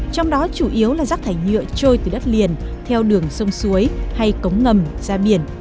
trong đó chủ yếu là rác thải nhựa trôi từ đất liền theo đường sông suối hay cống ngầm ra biển